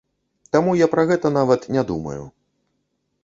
Таму я пра гэта нават не думаю.